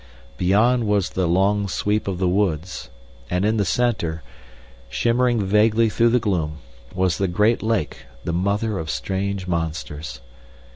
Beyond was the long sweep of the woods, and in the center, shimmering vaguely through the gloom, was the great lake, the mother of strange monsters.